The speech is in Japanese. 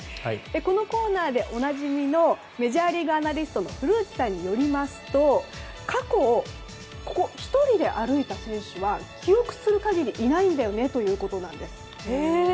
このコーナーでおなじみのメジャーリーグアナリストの古内さんによりますと過去を１人で歩いた選手は記憶する限りいないんだよねということです。